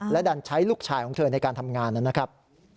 และดันใช้ลูกชายของเธอในการทำงานนะครับ